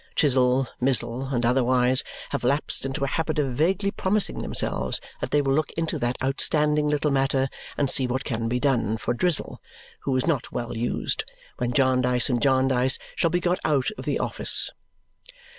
Chizzle, Mizzle, and otherwise have lapsed into a habit of vaguely promising themselves that they will look into that outstanding little matter and see what can be done for Drizzle who was not well used when Jarndyce and Jarndyce shall be got out of the office.